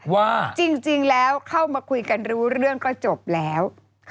ว่าจริงแล้วเข้ามาคุยกันรู้เรื่องก็จบแล้ว